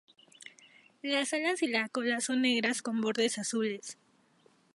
Las alas y cola son negras con bordes azules.